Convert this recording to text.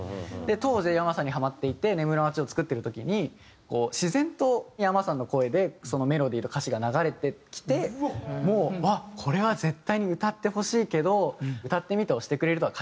当時ｙａｍａさんにハマっていて『ねむるまち』を作ってる時に自然とｙａｍａさんの声でメロディーと歌詞が流れてきてもうこれは絶対に歌ってほしいけど「歌ってみた」をしてくれるとは限らない。